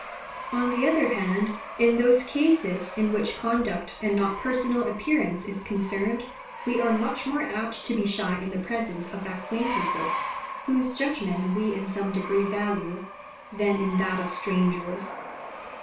On the other hand, in those cases in which conduct and not personal appearance is concerned, we are much more apt to be shy in the presence of acquaintances, whose judgment we in some degree value, than in that of strangers.